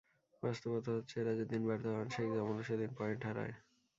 বাস্তবতা হচ্ছে, এঁরা যেদিন ব্যর্থ হন, শেখ জামালও সেদিন পয়েন্ট হারায়।